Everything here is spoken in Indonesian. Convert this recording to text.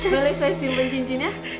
boleh saya simpan cincinnya